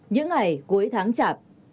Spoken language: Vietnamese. những ngày cuối tháng chạp